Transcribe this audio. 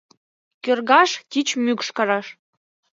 Кӧргаш тич мӱкш караш.